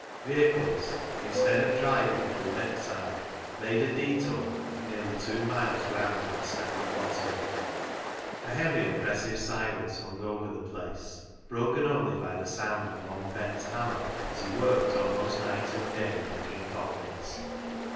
Vehicles, instead of driving through Beckside, made a detour of nearly two miles round by Stanger Bottom. A heavy, oppressive silence hung over the place, broken only by the sound of Long Ben's hammer as he worked almost night and day making coffins.